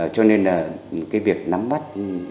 cho nên là cái việc nắm mắt